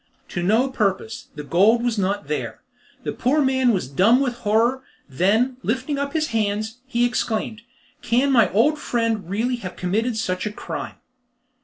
To no purpose. The gold was not there. The poor man was dumb with horror, then, lifting up his hands, he exclaimed, "Can my old friend really have committed such a crime?"